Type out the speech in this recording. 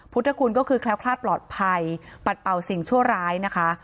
พุทธคุณก็คือแคล้วคลาดปลอดภัยปัดเป่าสิ่งชั่วร้ายนะคะ